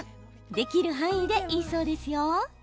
できる範囲でいいそうですよ。